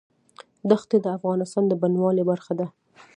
دښتې د افغانستان د بڼوالۍ برخه ده.